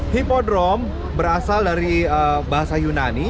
hipodrome berasal dari bahasa yunani